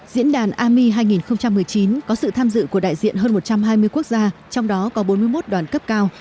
diễn đàn ami hai nghìn một mươi chín có sự tham dự của đại diện hơn một trăm hai mươi quốc gia trong đó có bốn mươi một đoàn cấp cao